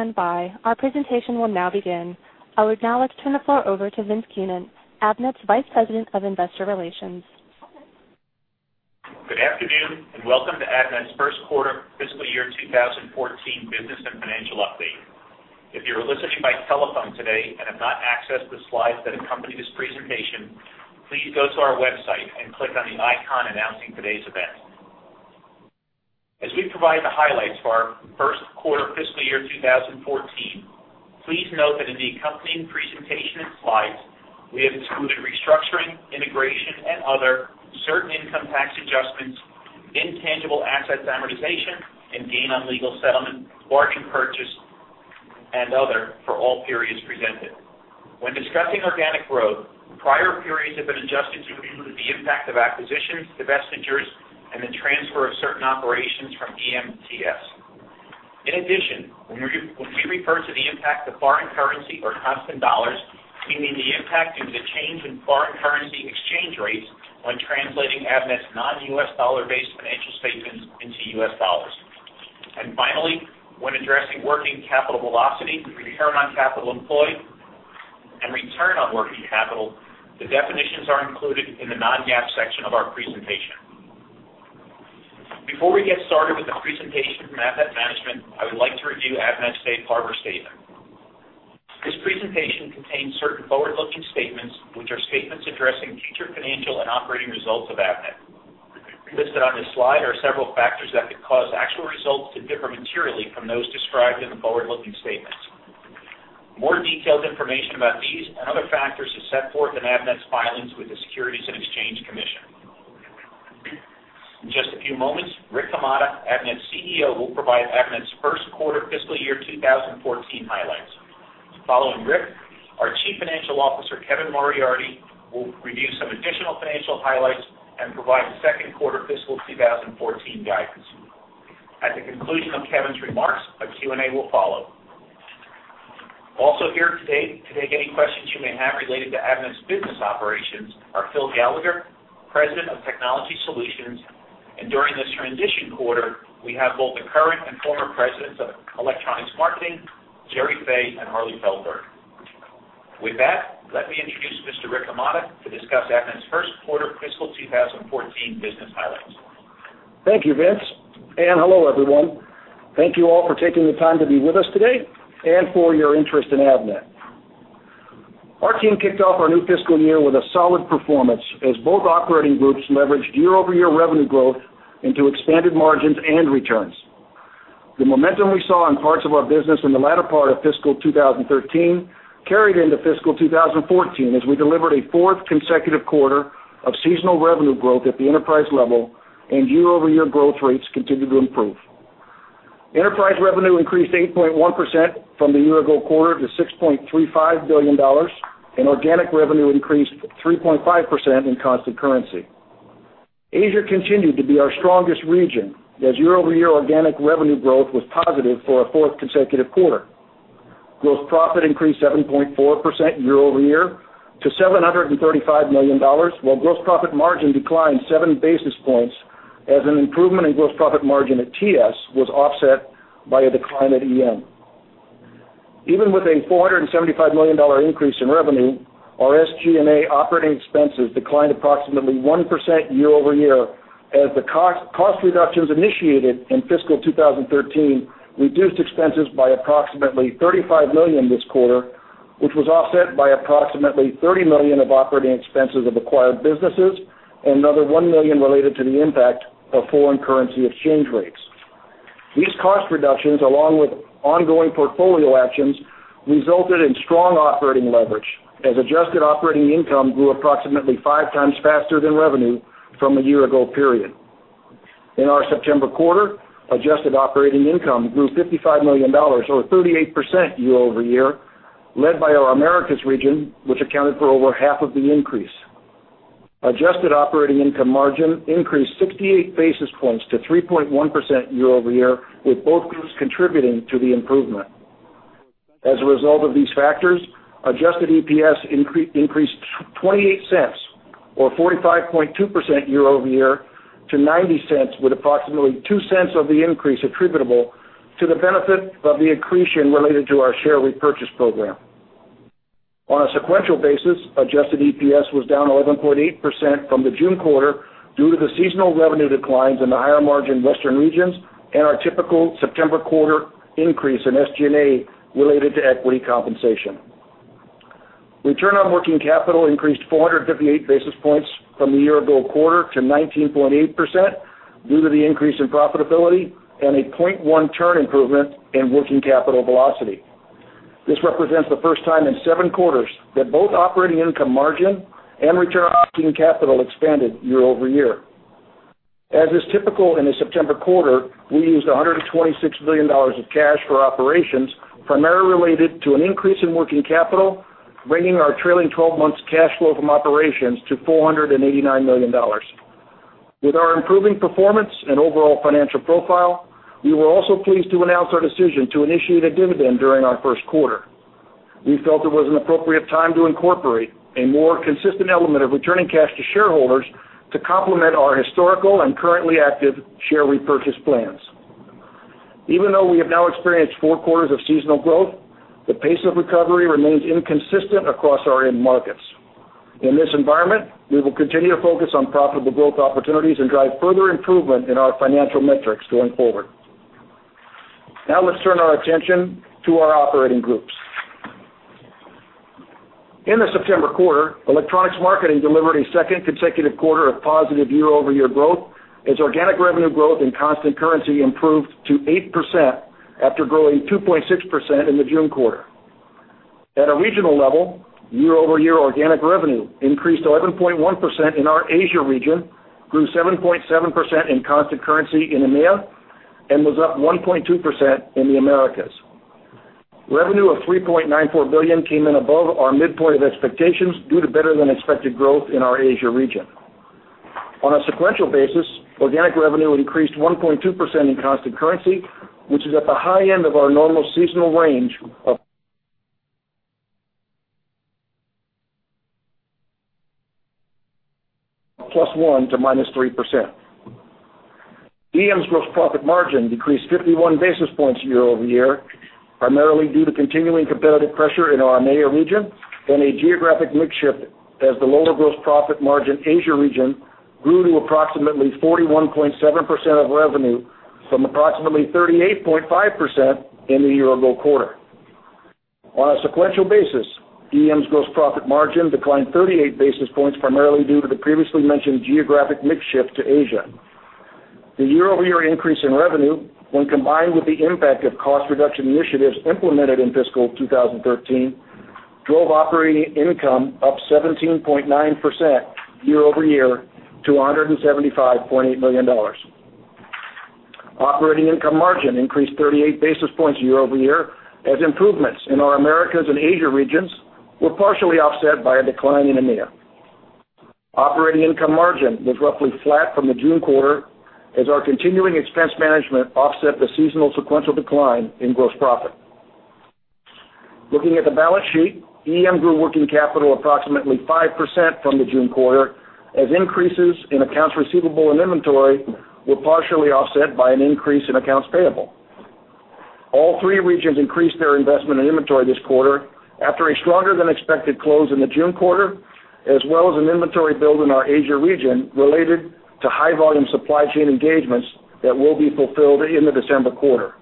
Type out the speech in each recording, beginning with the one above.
Please stand by. Our presentation will now begin. I would now like to turn the floor over to Vince Keenan, Avnet's Vice President of Investor Relations. Good afternoon and welcome to Avnet's first quarter fiscal year 2014 business and financial update. If you're listening by telephone today and have not accessed the slides that accompany this presentation, please go to our website and click on the icon announcing today's event. As we provide the highlights for our first quarter fiscal year 2014, please note that in the accompanying presentation and slides, we have included restructuring, integration, and other, certain income tax adjustments, intangible assets amortization, and gain on legal settlement, bargain purchase, and other for all periods presented. When discussing organic growth, prior periods have been adjusted due to the impact of acquisitions, divestitures, and the transfer of certain operations from EM to TS. In addition, when we refer to the impact of foreign currency or constant dollars, we mean the impact due to the change in foreign currency exchange rates when translating Avnet's non-U.S. dollar-based financial statements into U.S. dollars. And finally, when addressing working capital velocity, return on capital employed, and return on working capital, the definitions are included in the non-GAAP section of our presentation. Before we get started with the presentation from Avnet management, I would like to review Avnet's Safe Harbor Statement. This presentation contains certain forward-looking statements, which are statements addressing future financial and operating results of Avnet. Listed on this slide are several factors that could cause actual results to differ materially from those described in the forward-looking statements. More detailed information about these and other factors is set forth in Avnet's filings with the Securities and Exchange Commission. In just a few moments, Rick Hamada, Avnet's CEO, will provide Avnet's first quarter fiscal year 2014 highlights. Following Rick, our Chief Financial Officer, Kevin Moriarty, will review some additional financial highlights and provide second quarter fiscal 2014 guidance. At the conclusion of Kevin's remarks, a Q&A will follow. Also here today to take any questions you may have related to Avnet's business operations are Phil Gallagher, President of Technology Solutions, and during this transition quarter, we have both the current and former Presidents of Electronics Marketing, Gerry Fay and Harley Feldberg. With that, let me introduce Mr. Rick Hamada to discuss Avnet's first quarter fiscal 2014 business highlights. Thank you, Vince. And hello everyone. Thank you all for taking the time to be with us today and for your interest in Avnet. Our team kicked off our new fiscal year with a solid performance as both operating groups leveraged year-over-year revenue growth into expanded margins and returns. The momentum we saw in parts of our business in the latter part of fiscal 2013 carried into fiscal 2014 as we delivered a fourth consecutive quarter of seasonal revenue growth at the enterprise level and year-over-year growth rates continued to improve. Enterprise revenue increased 8.1% from the year-ago quarter to $6.35 billion, and organic revenue increased 3.5% in constant currency. Asia continued to be our strongest region as year-over-year organic revenue growth was positive for a fourth consecutive quarter. Gross profit increased 7.4% year-over-year to $735 million, while gross profit margin declined seven basis points as an improvement in gross profit margin at TS was offset by a decline at EM. Even with a $475 million increase in revenue, our SG&A operating expenses declined approximately 1% year-over-year as the cost reductions initiated in fiscal 2013 reduced expenses by approximately $35 million this quarter, which was offset by approximately $30 million of operating expenses of acquired businesses and another $1 million related to the impact of foreign currency exchange rates. These cost reductions, along with ongoing portfolio actions, resulted in strong operating leverage as adjusted operating income grew approximately five times faster than revenue from a year-ago period. In our September quarter, adjusted operating income grew $55 million or 38% year-over-year, led by our Americas region, which accounted for over half of the increase. Adjusted operating income margin increased 68 basis points to 3.1% year-over-year, with both groups contributing to the improvement. As a result of these factors, Adjusted EPS increased $0.28 or 45.2% year-over-year to $0.90, with approximately $0.02 of the increase attributable to the benefit of the accretion related to our share repurchase program. On a sequential basis, Adjusted EPS was down 11.8% from the June quarter due to the seasonal revenue declines in the western regions and our typical September quarter increase in SG&A related to equity compensation. Return on working capital increased 458 basis points from the year-ago quarter to 19.8% due to the increase in profitability and a 0.1 turn improvement in working capital velocity. This represents the first time in seven quarters that both operating income margin and return on working capital expanded year-over-year. As is typical in a September quarter, we used $126 million of cash for operations, primarily related to an increase in working capital, bringing our trailing 12 months cash flow from operations to $489 million. With our improving performance and overall financial profile, we were also pleased to announce our decision to initiate a dividend during our first quarter. We felt it was an appropriate time to incorporate a more consistent element of returning cash to shareholders to complement our historical and currently active share repurchase plans. Even though we have now experienced four quarters of seasonal growth, the pace of recovery remains inconsistent across our end markets. In this environment, we will continue to focus on profitable growth opportunities and drive further improvement in our financial metrics going forward. Now let's turn our attention to our operating groups. In the September quarter, Electronics Marketing delivered a second consecutive quarter of positive year-over-year growth as organic revenue growth in constant currency improved to 8% after growing 2.6% in the June quarter. At a regional level, year-over-year organic revenue increased 11.1% in our Asia region, grew 7.7% in constant currency in EMEA, and was up 1.2% in the Americas. Revenue of $3.94 billion came in above our midpoint of expectations due to better-than-expected growth in our Asia region. On a sequential basis, organic revenue increased 1.2% in constant currency, which is at the high end of our normal seasonal range of +1% to -3%. EM's gross profit margin decreased 51 basis points year-over-year, primarily due to continuing competitive pressure in our EMEA region and a geographic mixture as the lower gross profit margin Asia region grew to approximately 41.7% of revenue from approximately 38.5% in the year-ago quarter. On a sequential basis, EM's gross profit margin declined 38 basis points, primarily due to the previously mentioned geographic mixture to Asia. The year-over-year increase in revenue, when combined with the impact of cost reduction initiatives implemented in fiscal 2013, drove operating income up 17.9% year-over-year to $175.8 million. Operating income margin increased 38 basis points year-over-year as improvements in our Americas and Asia regions were partially offset by a decline in EMEA. Operating income margin was roughly flat from the June quarter as our continuing expense management offset the seasonal sequential decline in gross profit. Looking at the balance sheet, EM grew working capital approximately 5% from the June quarter as increases in accounts receivable and inventory were partially offset by an increase in accounts payable. All three regions increased their investment in inventory this quarter after a stronger-than-expected close in the June quarter, as well as an inventory build in our Asia region related to high-volume supply chain engagements that will be fulfilled in the December quarter.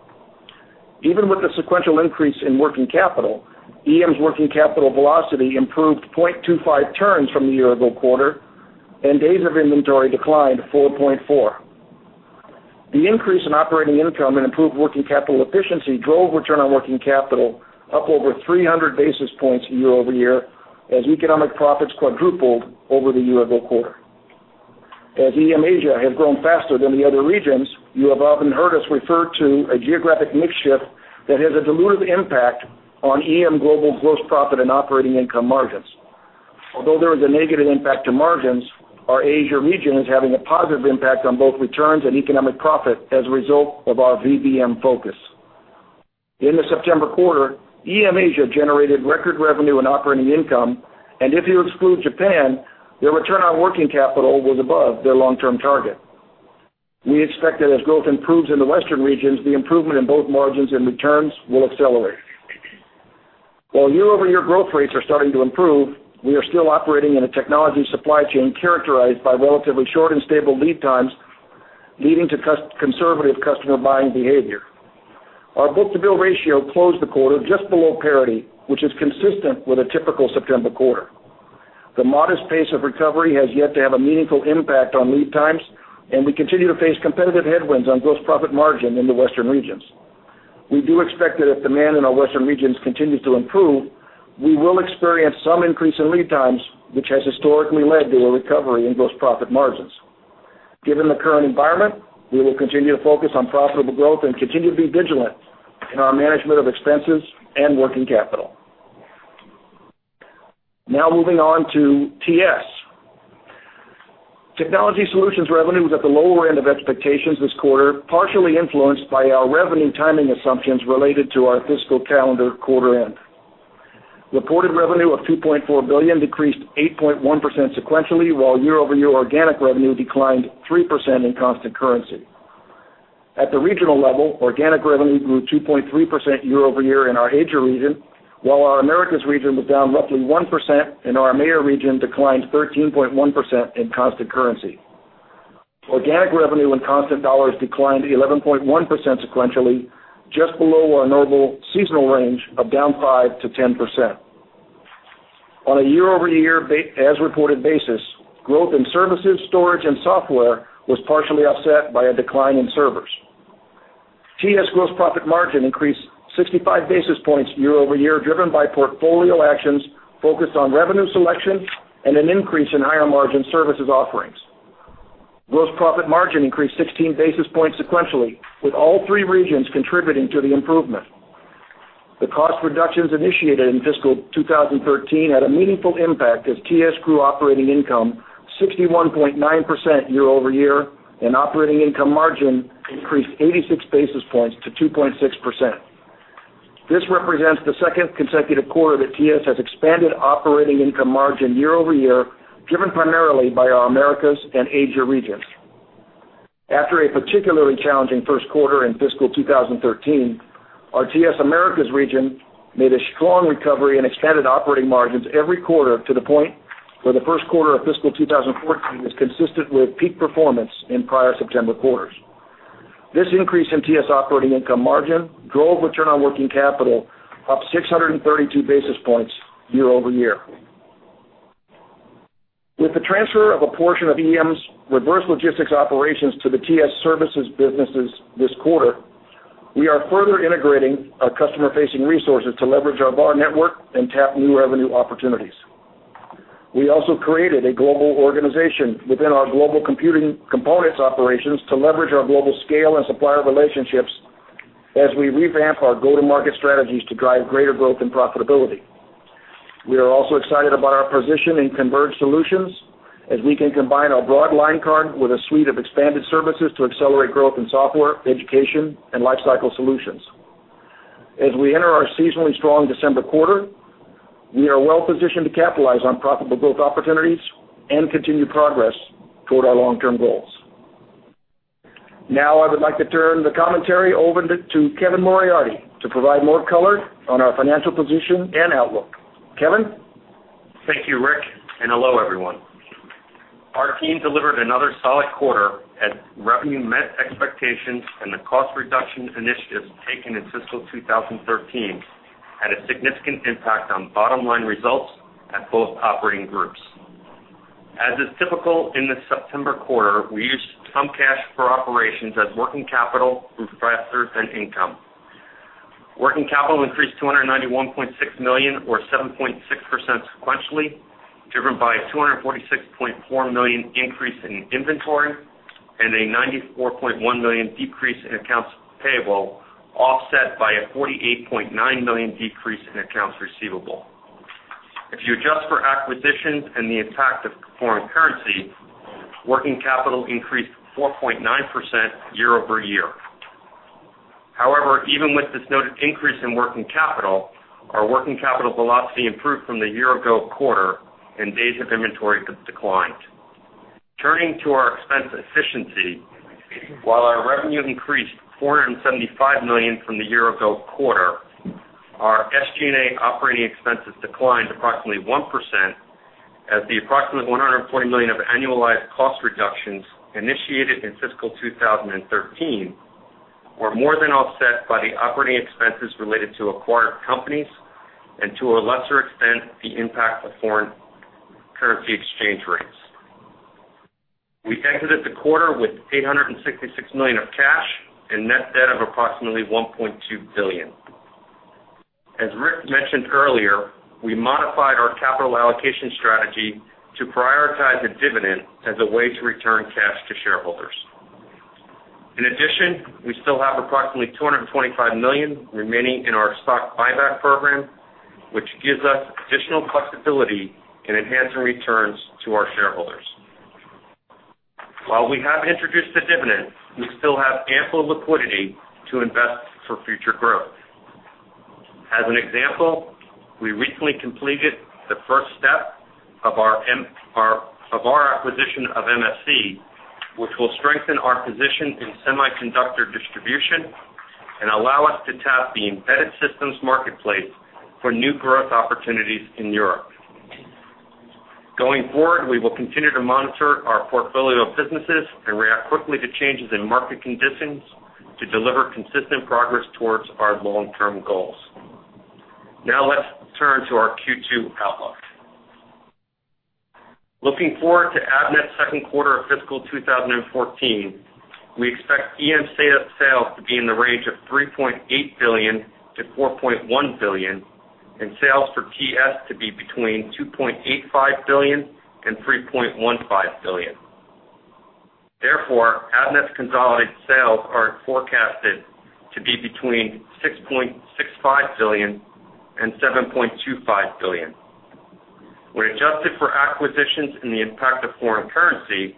Even with the sequential increase in working capital, EM's working capital velocity improved 0.25 turns from the year-ago quarter, and days of inventory declined 4.4. The increase in operating income and improved working capital efficiency drove return on working capital up over 300 basis points year-over-year as economic profits quadrupled over the year-ago quarter. As EM Asia has grown faster than the other regions, you have often heard us refer to a geographic mixture that has a dilutive impact on EM global gross profit and operating income margins. Although there is a negative impact to margins, our Asia region is having a positive impact on both returns and economic profit as a result of our VBM focus. In the September quarter, EM Asia generated record revenue and operating income, and if you exclude Japan, their return on working capital was above their long-term target. We expect that as growth improves in western regions, the improvement in both margins and returns will accelerate. While year-over-year growth rates are starting to improve, we are still operating in a technology supply chain characterized by relatively short and stable lead times, leading to conservative customer buying behavior. Our book-to-bill ratio closed the quarter just below parity, which is consistent with a typical September quarter. The modest pace of recovery has yet to have a meaningful impact on lead times, and we continue to face competitive headwinds on gross profit margin in western regions. we do expect that if demand in western regions continues to improve, we will experience some increase in lead times, which has historically led to a recovery in gross profit margins. Given the current environment, we will continue to focus on profitable growth and continue to be vigilant in our management of expenses and working capital. Now moving on to TS. Technology Solutions revenue was at the lower end of expectations this quarter, partially influenced by our revenue timing assumptions related to our fiscal calendar quarter end. Reported revenue of $2.4 billion decreased 8.1% sequentially, while year-over-year organic revenue declined 3% in constant currency. At the regional level, organic revenue grew 2.3% year-over-year in our Asia region, while our Americas region was down roughly 1%, and our EMEA region declined 13.1% in constant currency. Organic revenue in constant dollars declined 11.1% sequentially, just below our normal seasonal range of down 5%-10%. On a year-over-year as reported basis, growth in services, storage, and software was partially offset by a decline in servers. TS gross profit margin increased 65 basis points year-over-year, driven by portfolio actions focused on revenue selection and an increase in higher-margin services offerings. Gross profit margin increased 16 basis points sequentially, with all three regions contributing to the improvement. The cost reductions initiated in fiscal 2013 had a meaningful impact as TS grew operating income 61.9% year-over-year, and operating income margin increased 86 basis points to 2.6%. This represents the second consecutive quarter that TS has expanded operating income margin year-over-year, driven primarily by our Americas and Asia regions. After a particularly challenging first quarter in fiscal 2013, our TS Americas region made a strong recovery and expanded operating margins every quarter to the point where the first quarter of fiscal 2014 was consistent with peak performance in prior September quarters. This increase in TS operating income margin drove return on working capital up 632 basis points year-over-year. With the transfer of a portion of EM's reverse logistics operations to the TS services businesses this quarter, we are further integrating our customer-facing resources to leverage our VAR network and tap new revenue opportunities. We also created a global organization within our Global Computing Components operations to leverage our global scale and supplier relationships as we revamp our go-to-market strategies to drive greater growth and profitability. We are also excited about our position in converged solutions as we can combine our broad line card with a suite of expanded services to accelerate growth in software, education, and lifecycle solutions. As we enter our seasonally strong December quarter, we are well-positioned to capitalize on profitable growth opportunities and continue progress toward our long-term goals. Now I would like to turn the commentary over to Kevin Moriarty to provide more color on our financial position and outlook. Kevin. Thank you, Rick, and hello everyone. Our team delivered another solid quarter as revenue met expectations and the cost reduction initiatives taken in fiscal 2013 had a significant impact on bottom-line results at both operating groups. As is typical in this September quarter, we used some cash for operations as working capital turned faster than income. Working capital increased $291.6 million, or 7.6% sequentially, driven by a $246.4 million increase in inventory and a $94.1 million decrease in accounts payable, offset by a $48.9 million decrease in accounts receivable. If you adjust for acquisitions and the impact of foreign currency, working capital increased 4.9% year-over-year. However, even with this noted increase in working capital, our working capital velocity improved from the year-ago quarter, and days of inventory declined. Turning to our expense efficiency, while our revenue increased $475 million from the year-ago quarter, our SG&A operating expenses declined approximately 1% as the approximately $120 million of annualized cost reductions initiated in fiscal 2013 were more than offset by the operating expenses related to acquired companies and, to a lesser extent, the impact of foreign currency exchange rates. We exited the quarter with $866 million of cash and net debt of approximately $1.2 billion. As Rick mentioned earlier, we modified our capital allocation strategy to prioritize a dividend as a way to return cash to shareholders. In addition, we still have approximately $225 million remaining in our stock buyback program, which gives us additional flexibility in enhancing returns to our shareholders. While we have introduced a dividend, we still have ample liquidity to invest for future growth. As an example, we recently completed the first step of our acquisition of MSC, which will strengthen our position in semiconductor distribution and allow us to tap the embedded systems marketplace for new growth opportunities in Europe. Going forward, we will continue to monitor our portfolio of businesses and react quickly to changes in market conditions to deliver consistent progress towards our long-term goals. Now let's turn to our Q2 outlook. Looking forward to Avnet's second quarter of fiscal 2014, we expect EM sales to be in the range of $3.8 billion-$4.1 billion and sales for TS to be between $2.85 billion-$3.15 billion. Therefore, Avnet's consolidated sales are forecasted to be between $6.65 billion-$7.25 billion. When adjusted for acquisitions and the impact of foreign currency,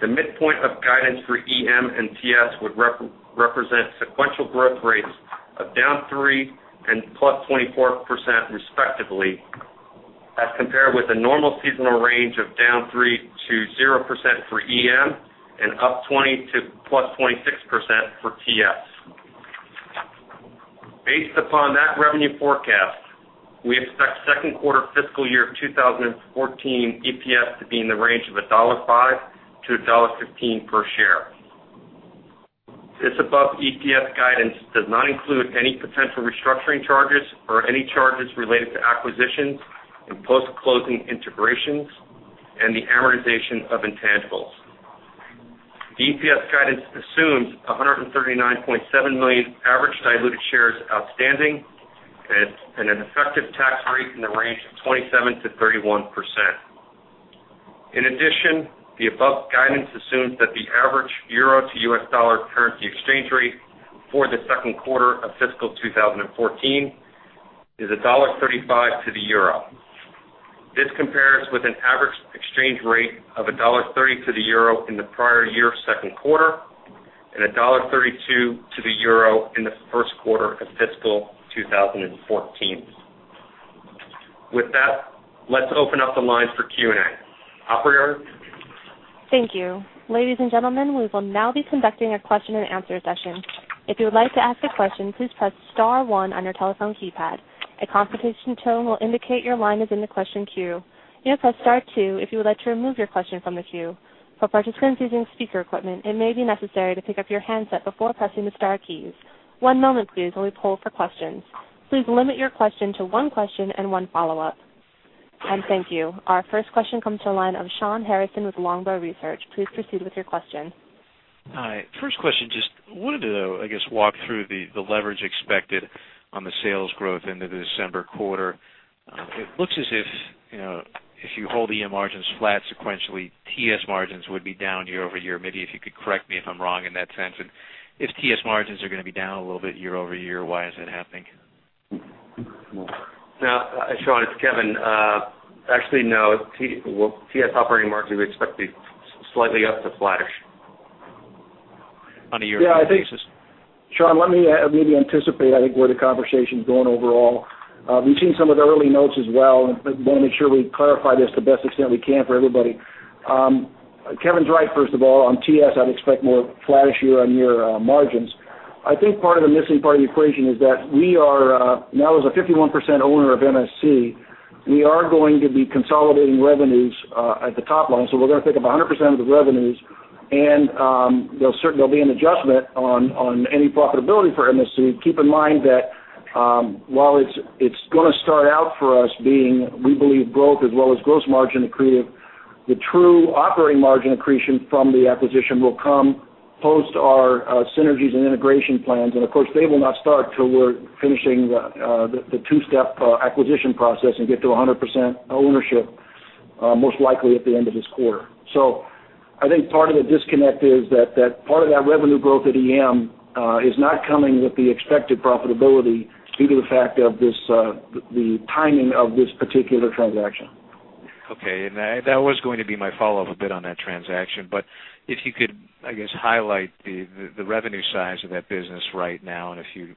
the midpoint of guidance for EM and TS would represent sequential growth rates of -3% and +24% respectively as compared with a normal seasonal range of -3% to 0% for EM and 20% to +26% for TS. Based upon that revenue forecast, we expect second quarter fiscal year 2014 EPS to be in the range of $1.05-$1.15 per share. This above EPS guidance does not include any potential restructuring charges or any charges related to acquisitions and post-closing integrations and the amortization of intangibles. The EPS guidance assumes 139.7 million average diluted shares outstanding and an effective tax rate in the range of 27%-31%. In addition, the above guidance assumes that the average euro to U.S. dollar currency exchange rate for the second quarter of fiscal 2014 is $1.35 to the euro. This compares with an average exchange rate of $1.30 to the euro in the prior year second quarter and $1.32 to the euro in the first quarter of fiscal 2014. With that, let's open up the lines for Q&A. Operator. Thank you. Ladies and gentlemen, we will now be conducting a question and answer session. If you would like to ask a question, please press Star 1 on your telephone keypad. A confirmation tone will indicate your line is in the question queue. You may press Star 2 if you would like to remove your question from the queue. For participants using speaker equipment, it may be necessary to pick up your handset before pressing the Star keys. One moment, please, while we poll for questions. Please limit your question to one question and one follow-up. And thank you. Our first question comes to a line of Shawn Harrison with Longbow Research. Please proceed with your question. All right. First question, just wanted to, I guess, walk through the leverage expected on the sales growth into the December quarter. It looks as if, if you hold EM margins flat sequentially, TS margins would be down year-over-year. Maybe if you could correct me if I'm wrong in that sense. And if TS margins are going to be down a little bit year-over-year, why is that happening? Now, Shawn, it's Kevin. Actually, no. TS operating margins we expect to be slightly up to flattish. On a year-over-year basis. Shawn, let me maybe anticipate, I think, where the conversation's going overall. We've seen some of the early notes as well, but want to make sure we clarify this to the best extent we can for everybody. Kevin's right, first of all. On TS, I'd expect more flattish year-on-year margins. I think part of the missing part of the equation is that we are now, as a 51% owner of MSC, we are going to be consolidating revenues at the top line. So we're going to take up 100% of the revenues, and there'll be an adjustment on any profitability for MSC. Keep in mind that while it's going to start out for us being, we believe, growth as well as gross margin accretive, the true operating margin accretion from the acquisition will come post our synergies and integration plans. And of course, they will not start till we're finishing the two-step acquisition process and get to 100% ownership most likely at the end of this quarter. So I think part of the disconnect is that part of that revenue growth at EM is not coming with the expected profitability due to the fact of the timing of this particular transaction. Okay. And that was going to be my follow-up a bit on that transaction, but if you could, I guess, highlight the revenue size of that business right now and if you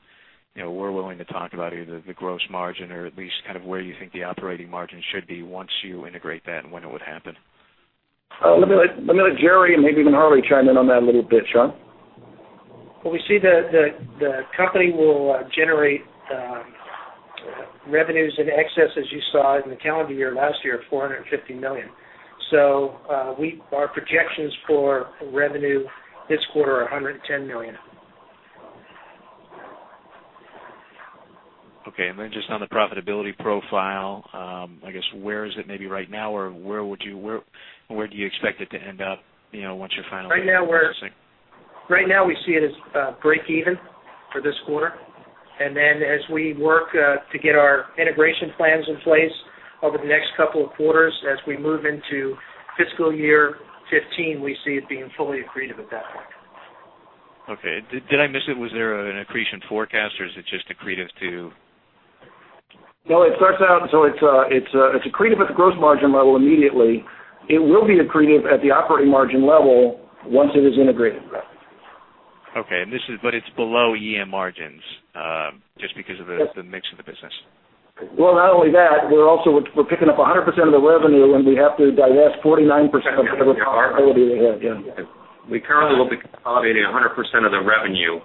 were willing to talk about either the gross margin or at least kind of where you think the operating margin should be once you integrate that and when it would happen. Let me let Gerry and maybe even Harley chime in on that little bit, Shawn. Well, we see that the company will generate revenues in excess, as you saw in the calendar year last year, of $450 million. So our projections for revenue this quarter are $110 million. Okay. And then just on the profitability profile, I guess, where is it maybe right now, or where would you where do you expect it to end up once you're finalizing? Right now, we see it as break-even for this quarter. And then as we work to get our integration plans in place over the next couple of quarters, as we move into fiscal year 2015, we see it being fully accretive at that point. Okay. Did I miss it? Was there an accretion forecast, or is it just accretive to? No, it starts out so it's accretive at the gross margin level immediately. It will be accretive at the operating margin level once it is integrated. Okay. But it's below EM margins just because of the mix of the business. Well, not only that, we're also picking up 100% of the revenue, and we have to divest 49% of the capital that we have. Yeah. We currently will be consolidating 100% of the revenue,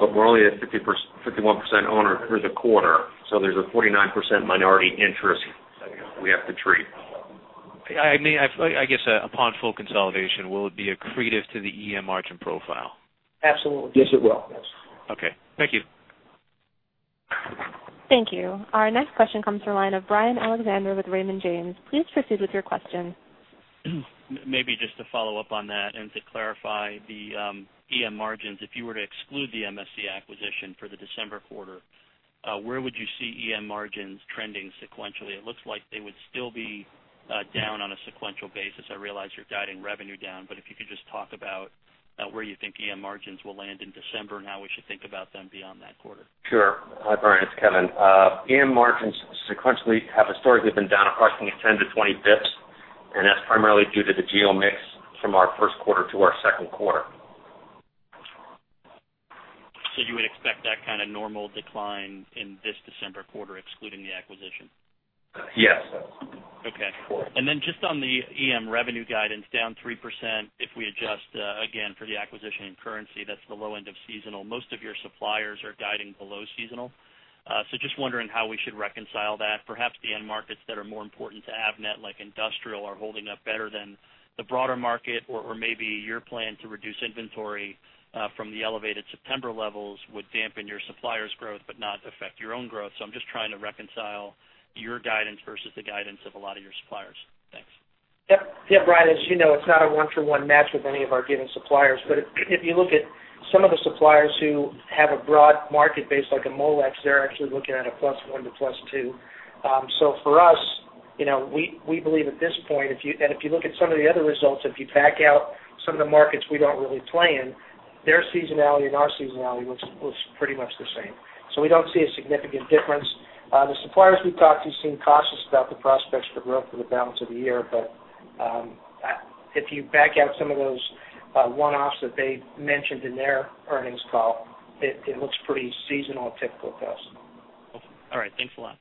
but we're only a 51% owner for the quarter. So there's a 49% minority interest we have to treat. I mean, I guess upon full consolidation, will it be accretive to the EM margin profile? Absolutely. Yes, it will. Yes. Okay. Thank you. Thank you. Our next question comes from a line of Brian Alexander with Raymond James. Please proceed with your question. Maybe just to follow up on that and to clarify the EM margins. If you were to exclude the MSC acquisition for the December quarter, where would you see EM margins trending sequentially? It looks like they would still be down on a sequential basis. I realize you're guiding revenue down, but if you could just talk about where you think EM margins will land in December and how we should think about them beyond that quarter. Sure. Hi, Brian. It's Kevin. EM margins sequentially have historically been down approximately 10-20 basis points, and that's primarily due to the geo mix from our first quarter to our second quarter. So you would expect that kind of normal decline in this December quarter, excluding the acquisition? Yes. Okay. And then just on the EM revenue guidance, down 3% if we adjust again for the acquisition in currency, that's the low end of seasonal. Most of your suppliers are guiding below seasonal. So just wondering how we should reconcile that. Perhaps the end markets that are more important to Avnet, like industrial, are holding up better than the broader market, or maybe your plan to reduce inventory from the elevated September levels would dampen your suppliers' growth but not affect your own growth. So I'm just trying to reconcile your guidance versus the guidance of a lot of your suppliers. Thanks. Yeah. Yeah, Brian, as you know, it's not a one-for-one match with any of our given suppliers. But if you look at some of the suppliers who have a broad market base like a Molex, they're actually looking at a +1 to +2. So for us, we believe at this point, and if you look at some of the other results, if you back out some of the markets we don't really play in, their seasonality and our seasonality looks pretty much the same. So we don't see a significant difference. The suppliers we've talked to seem cautious about the prospects for growth for the balance of the year, but if you back out some of those one-offs that they mentioned in their earnings call, it looks pretty seasonal and typical to us. All right. Thanks a lot.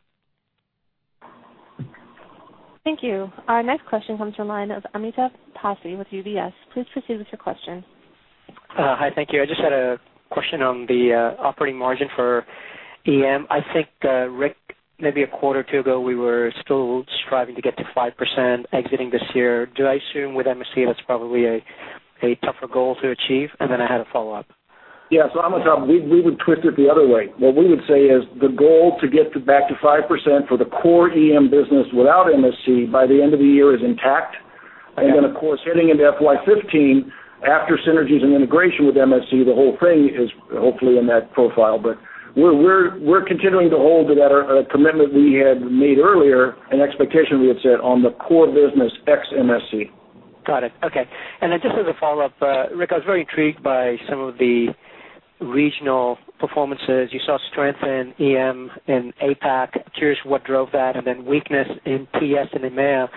Thank you. Our next question comes from a line of Amitabh Passi with UBS. Please proceed with your question. Hi. Thank you. I just had a question on the operating margin for EM. I think, Rick, maybe a quarter or two ago, we were still striving to get to 5% exiting this year. Do I assume with MSC that's probably a tougher goal to achieve? And then I had a follow-up. Yeah. So Amitabh, we would twist it the other way. What we would say is the goal to get back to 5% for the core EM business without MSC by the end of the year is intact. And then, of course, heading into FY 2015, after synergies and integration with MSC, the whole thing is hopefully in that profile. But we're continuing to hold to that commitment we had made earlier, an expectation we had set on the core business ex MSC. Got it. Okay. And then just as a follow-up, Rick, I was very intrigued by some of the regional performances. You saw strength in EMEA and APAC. Curious what drove that. And then weakness in TS and EMEA.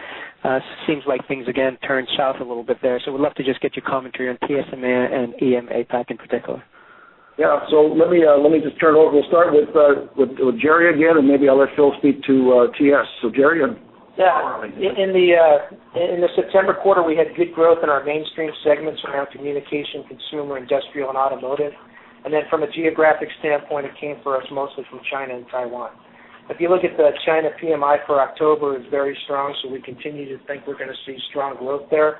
Seems like things, again, turned south a little bit there. So we'd love to just get your commentary on TS, EMEA, and EMEA, APAC in particular. Yeah. So let me just turn it over. We'll start with Gerry again, and maybe I'll let Phil speak to TS. So, Gerry. Yeah. In the September quarter, we had good growth in our mainstream segments around communication, consumer, industrial, and automotive. And then from a geographic standpoint, it came for us mostly from China and Taiwan. If you look at the China PMI for October, it's very strong. So we continue to think we're going to see strong growth there.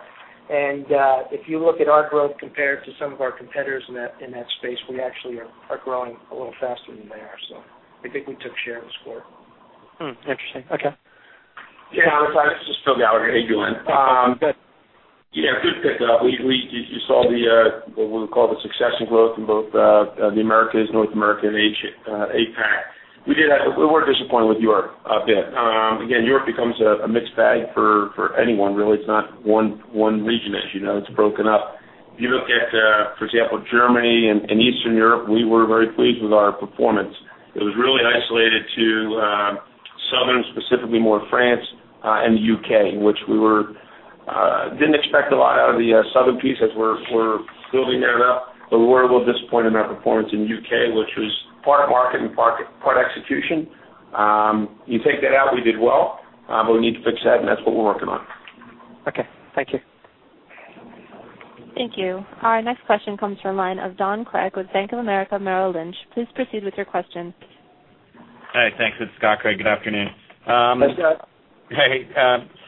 And if you look at our growth compared to some of our competitors in that space, we actually are growing a little faster than they are. So I think we took share in the quarter. Interesting. Okay. Yeah. I'm sorry. This is Phil Gallagher. Hey, Gerry. Good. Yeah. Good pickup. You saw what we would call the sequential growth in both the Americas, North America, and APAC. We were disappointed with Europe a bit. Again, Europe becomes a mixed bag for anyone, really. It's not one region, as you know. It's broken up. If you look at, for example, Germany and Eastern Europe, we were very pleased with our performance. It was really isolated to southern, specifically more France, and the UK, which we didn't expect a lot out of the southern piece as we're building that up. But we were a little disappointed in our performance in the UK, which was part market and part execution. You take that out, we did well. But we need to fix that, and that's what we're working on. Okay. Thank you. Thank you. Our next question comes from a line of Scott Craig with Bank of America Merrill Lynch. Please proceed with your question. Hi. Thanks. It's Scott Craig. Good afternoon. Hey, Scott. Hey.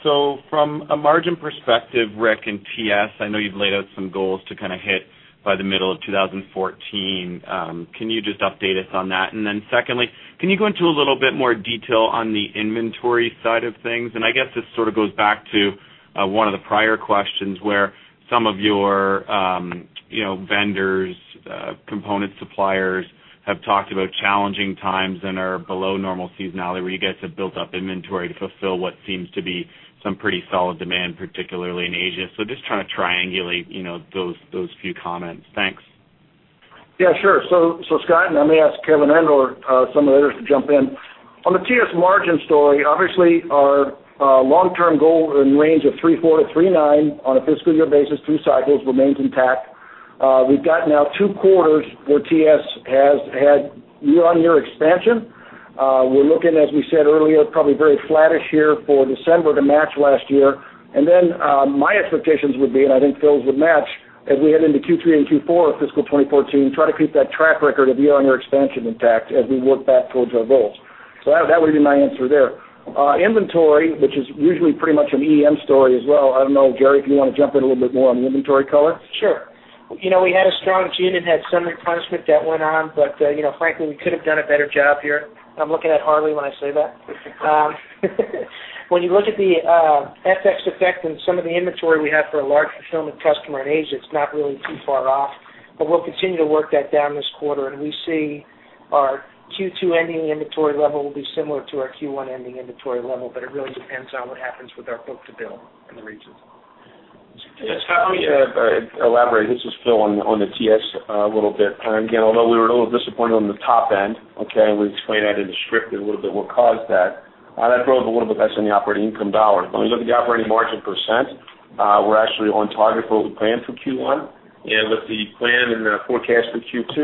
So from a margin perspective, Rick, in TS, I know you've laid out some goals to kind of hit by the middle of 2014. Can you just update us on that? And then secondly, can you go into a little bit more detail on the inventory side of things? And I guess this sort of goes back to one of the prior questions where some of your vendors, component suppliers have talked about challenging times and are below normal seasonality, where you guys have built up inventory to fulfill what seems to be some pretty solid demand, particularly in Asia. So just trying to triangulate those few comments. Thanks. Yeah. Sure. So Scott, and let me ask Kevin and/or some of the others to jump in. On the TS margin story, obviously, our long-term goal in range of 3.4-3.9 on a fiscal year basis, two cycles, remains intact. We've got now two quarters where TS has had year-on-year expansion. We're looking, as we said earlier, probably very flattish here for December to match last year. And then my expectations would be, and I think Phil's would match, as we head into Q3 and Q4 of fiscal 2014, try to keep that track record of year-on-year expansion intact as we work back towards our goals. So that would be my answer there. Inventory, which is usually pretty much an EM story as well. I don't know, Gerry, if you want to jump in a little bit more on the inventory color. Sure. We had a strong June and had some enhancement that went on, but frankly, we could have done a better job here. I'm looking at Harley when I say that. When you look at the FX effect and some of the inventory we have for a large fulfillment customer in Asia, it's not really too far off. But we'll continue to work that down this quarter. And we see our Q2 ending inventory level will be similar to our Q1 ending inventory level, but it really depends on what happens with our book-to-bill in the regions. Yeah. Scott, let me elaborate. This is Phil on the TS a little bit. Again, although we were a little disappointed on the top end, okay, and we explained that in the script a little bit what caused that, that drove a little bit less in the operating income dollars. But when you look at the operating margin %, we're actually on target for what we planned for Q1. And with the plan and forecast for Q2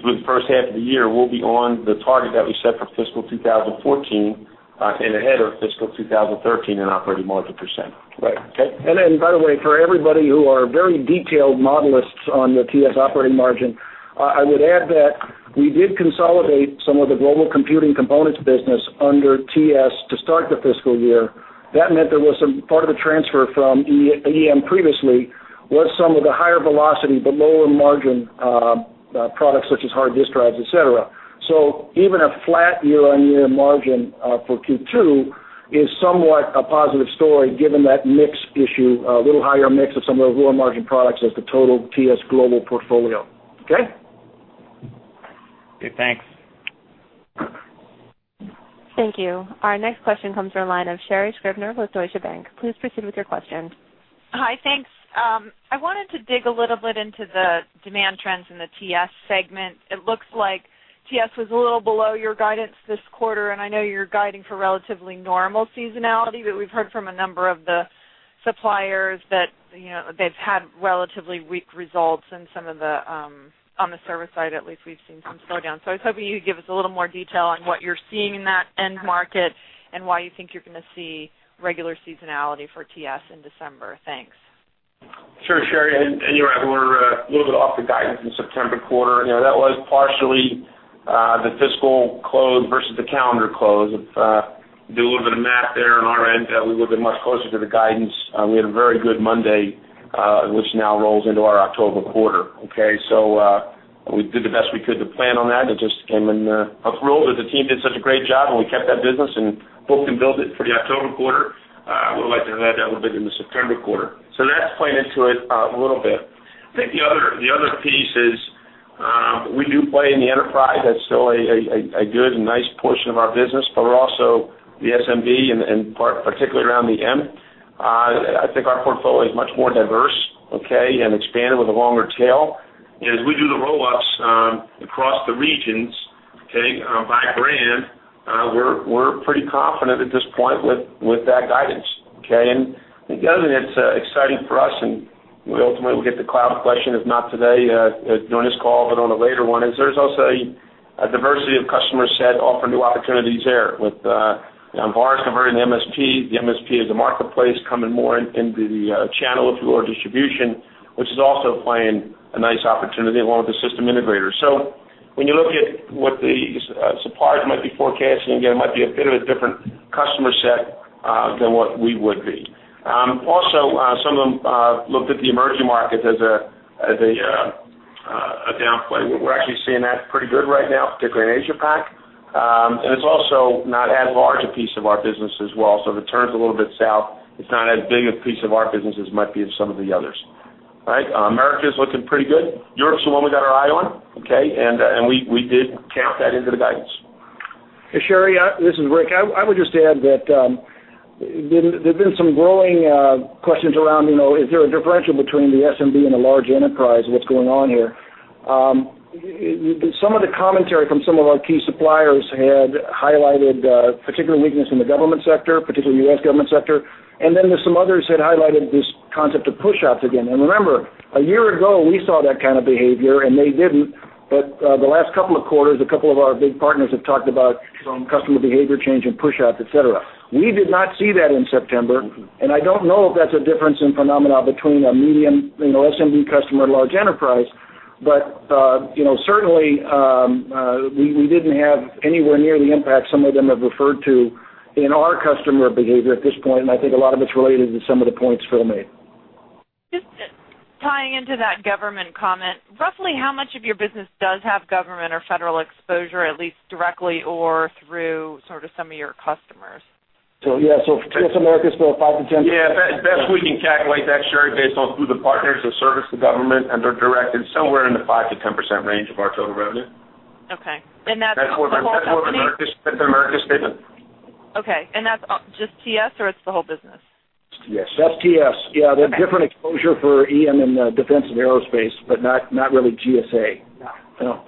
through the first half of the year, we'll be on the target that we set for fiscal 2014 and ahead of fiscal 2013 in operating margin %. Right. Okay. And then, by the way, for everybody who are very detailed modelers on the TS operating margin, I would add that we did consolidate some of the Global Computing Components business under TS to start the fiscal year. That meant there was some part of the transfer from EM previously was some of the higher velocity but lower margin products such as hard disk drives, etc. So even a flat year-on-year margin for Q2 is somewhat a positive story given that mix issue, a little higher mix of some of the lower margin products as the total TS global portfolio. Okay? Okay. Thanks. Thank you. Our next question comes from a line of Sherri Scribner with Deutsche Bank. Please proceed with your question. Hi. Thanks. I wanted to dig a little bit into the demand trends in the TS segment. It looks like TS was a little below your guidance this quarter, and I know you're guiding for relatively normal seasonality, but we've heard from a number of the suppliers that they've had relatively weak results in some of the on the service side, at least we've seen some slowdown. So I was hoping you could give us a little more detail on what you're seeing in that end market and why you think you're going to see regular seasonality for TS in December. Thanks. Sure. Sherri, and you're right. We're a little bit off the guidance in the September quarter. That was partially the fiscal close versus the calendar close. If you do a little bit of math there on our end, we would have been much closer to the guidance. We had a very good Monday, which now rolls into our October quarter. Okay? So we did the best we could to plan on that, and it just came in, a thrill that the team did such a great job, and we kept that business and booked and billed it for the October quarter. We'd like to have that a little bit in the September quarter. So that's playing into it a little bit. I think the other piece is we do play in the enterprise. That's still a good and nice portion of our business, but we're also the SMB, and particularly around the M. I think our portfolio is much more diverse, okay, and expanded with a longer tail. And as we do the roll-ups across the regions, okay, by brand, we're pretty confident at this point with that guidance. Okay? It doesn't get exciting for us, and we ultimately will get the cloud question, if not today during this call, but on a later one, is there's also a diversity of customers that offer new opportunities there with VARs converting the MSP, the MSP as a marketplace, coming more into the channel of your distribution, which is also playing a nice opportunity along with the system integrator. So when you look at what the suppliers might be forecasting, again, it might be a bit of a different customer set than what we would be. Also, some of them looked at the emerging markets as a downplay. We're actually seeing that pretty good right now, particularly in Asia-Pac. And it's also not as large a piece of our business as well. So if it turns a little bit south, it's not as big a piece of our business as it might be in some of the others. All right? America is looking pretty good. Europe's the one we got our eye on. Okay? And we did count that into the guidance. Yeah. Sherri, this is Rick. I would just add that there have been some growing questions around, is there a differential between the SMB and a large enterprise and what's going on here? Some of the commentary from some of our key suppliers had highlighted particular weakness in the government sector, particularly U.S. government sector. And then some others had highlighted this concept of push-outs again. And remember, a year ago, we saw that kind of behavior, and they didn't. But the last couple of quarters, a couple of our big partners have talked about some customer behavior change and push-outs, etc. We did not see that in September. And I don't know if that's a difference in phenomena between a medium SMB customer and large enterprise, but certainly, we didn't have anywhere near the impact some of them have referred to in our customer behavior at this point. And I think a lot of it's related to some of the points Phil made. Just tying into that government comment, roughly how much of your business does have government or federal exposure, at least directly or through sort of some of your customers? So yeah. So TS Americas about 5%-10%. Yeah. Best we can calculate that, Sherri, based on who the partners that serves the government under direct is somewhere in the 5%-10% range of our total revenue. Okay. And that's what Americas statement? Okay. And that's just TS, or it's the whole business? It's TS. That's TS. Yeah. They have different exposure for EM and defense and aerospace, but not really GSA. No. No.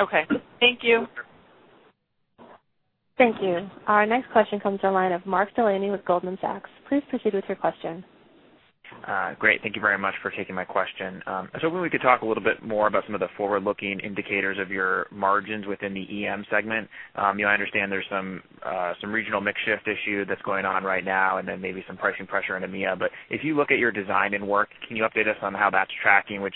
Okay. Thank you. Thank you. Our next question comes from a line of Mark Delaney with Goldman Sachs. Please proceed with your question. Great. Thank you very much for taking my question. I was hoping we could talk a little bit more about some of the forward-looking indicators of your margins within the EM segment. I understand there's some regional mixed shift issue that's going on right now, and then maybe some pricing pressure in EMEA. But if you look at your design and work, can you update us on how that's tracking, which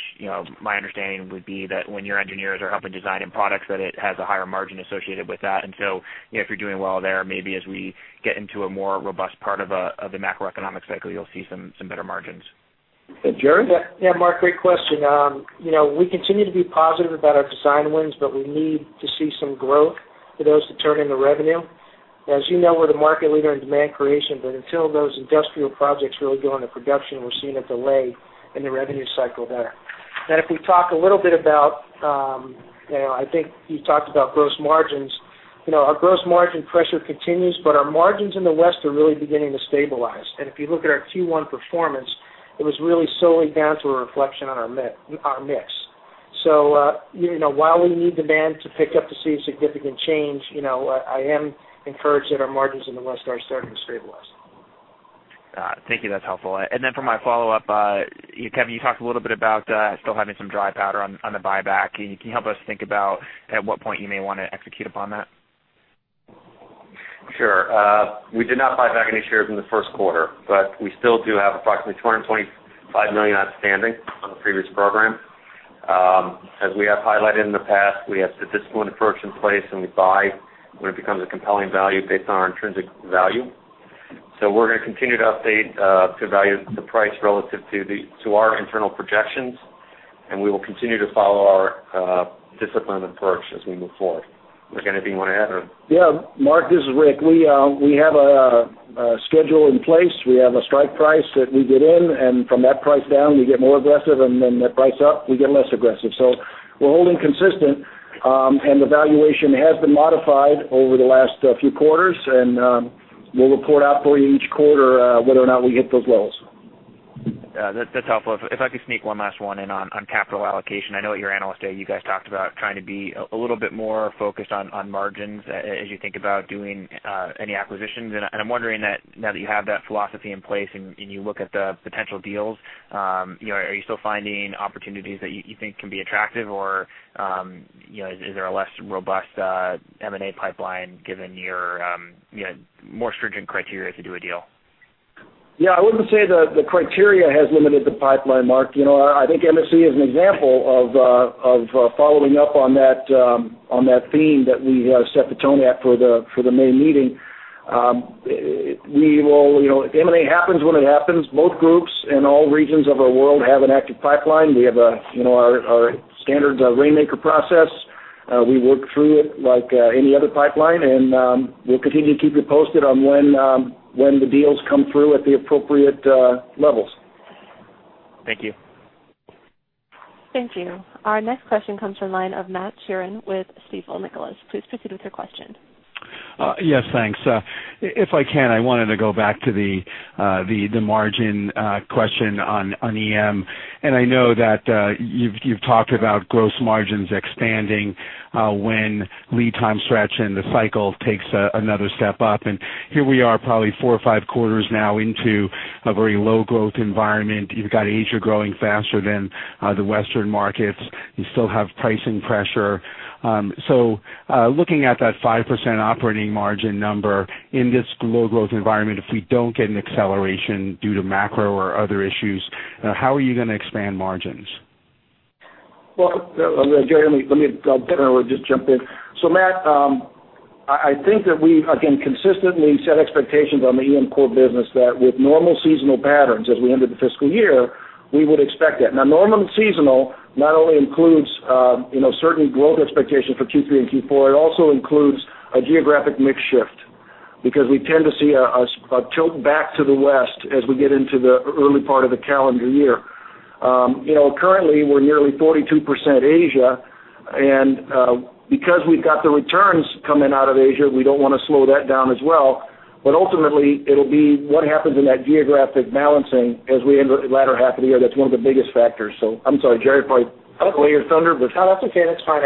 my understanding would be that when your engineers are helping design and products, that it has a higher margin associated with that. And so if you're doing well there, maybe as we get into a more robust part of the macroeconomic cycle, you'll see some better margins. Gerry? Yeah. Mark, great question. We continue to be positive about our design wins, but we need to see some growth for those to turn into revenue. As you know, we're the market leader in demand creation, but until those industrial projects really go into production, we're seeing a delay in the revenue cycle there. And if we talk a little bit about I think you talked about gross margins. Our gross margin pressure continues, but our margins in the West are really beginning to stabilize. And if you look at our Q1 performance, it was really solely down to a reflection on our mix. So while we need demand to pick up to see significant change, I am encouraged that our margins in the West are starting to stabilize. Thank you. That's helpful. And then for my follow-up, Kevin, you talked a little bit about still having some dry powder on the buyback. Can you help us think about at what point you may want to execute upon that? Sure. We did not buy back any shares in the first quarter, but we still do have approximately 225 million outstanding on the previous program. As we have highlighted in the past, we have the disciplined approach in place, and we buy when it becomes a compelling value based on our intrinsic value. So we're going to continue to update to value the price relative to our internal projections, and we will continue to follow our disciplined approach as we move forward. Is there anything you want to add, or? Yeah. Mark, this is Rick. We have a schedule in place. We have a strike price that we get in, and from that price down, we get more aggressive, and then that price up, we get less aggressive. So we're holding consistent, and the valuation has been modified over the last few quarters, and we'll report out for you each quarter whether or not we hit those levels. Yeah. That's helpful. If I could sneak one last one in on capital allocation. I know at your analyst day, you guys talked about trying to be a little bit more focused on margins as you think about doing any acquisitions. I'm wondering that now that you have that philosophy in place and you look at the potential deals, are you still finding opportunities that you think can be attractive, or is there a less robust M&A pipeline given your more stringent criteria to do a deal? Yeah. I wouldn't say the criteria has limited the pipeline, Mark. I think MSC is an example of following up on that theme that we set the tone at for the May meeting. We will, if M&A happens when it happens, both groups and all regions of our world have an active pipeline. We have our standard Rainmaker process. We work through it like any other pipeline, and we'll continue to keep you posted on when the deals come through at the appropriate levels. Thank you. Thank you. Our next question comes from a line of Matt Sheerin with Stifel Nicolaus. Please proceed with your question. Yes. Thanks. If I can, I wanted to go back to the margin question on EM. And I know that you've talked about gross margins expanding when lead time stretch and the cycle takes another step up. And here we are, probably four or five quarters now into a very low-growth environment. You've got Asia growing faster than the Western markets. You still have pricing pressure. So looking at that 5% operating margin number in this low-growth environment, if we don't get an acceleration due to macro or other issues, how are you going to expand margins? Well, Gerry, let me definitely just jump in. So Matt, I think that we, again, consistently set expectations on the EM core business that with normal seasonal patterns as we enter the fiscal year, we would expect that. Now, normal and seasonal not only includes certain growth expectations for Q3 and Q4, it also includes a geographic mixed shift because we tend to see a tilt back to the West as we get into the early part of the calendar year. Currently, we're nearly 42% Asia, and because we've got the returns coming out of Asia, we don't want to slow that down as well. But ultimately, it'll be what happens in that geographic balancing as we enter the latter half of the year. That's one of the biggest factors. So I'm sorry, Gerry, if I lay your thunder, but. No, that's okay. That's fine.